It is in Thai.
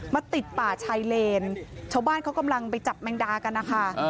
ติดป่าชายเลนชาวบ้านเขากำลังไปจับแมงดากันนะคะ